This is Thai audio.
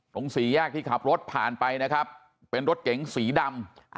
สี่แยกที่ขับรถผ่านไปนะครับเป็นรถเก๋งสีดำ